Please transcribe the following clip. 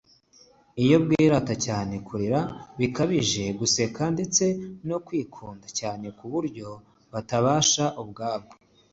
ubwenge bureka kuba ubwenge iyo bwirata cyane kurira, bikabije guseka, ndetse no kwikunda cyane ku buryo butashaka ubwabwo